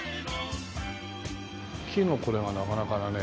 木のこれがなかなかだね。